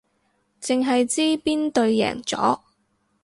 淨係知邊隊贏咗